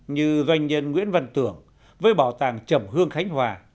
như doanh nhân nguyễn văn tưởng với bảo tàng chầm hương khánh hòa